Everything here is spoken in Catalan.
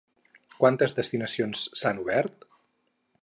Quantes destinacions s'han obert?